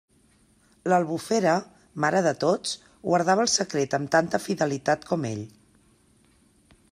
L'Albufera, mare de tots, guardava el secret amb tanta fidelitat com ell.